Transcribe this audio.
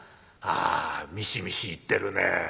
ああミシミシいってるねえ。